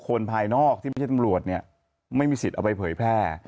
ภายนอกที่ไม่ใช่ตำรวจเนี่ยไม่มีสิทธิ์เอาไปเผยแพร่